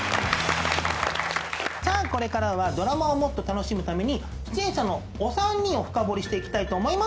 さあこれからはドラマをもっと楽しむために出演者のお三人を深掘りしていきたいと思います。